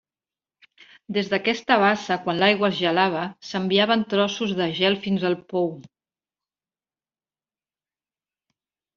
Des d'aquesta bassa, quan l'aigua es gelava, s'enviaven trossos de gel fins al pou.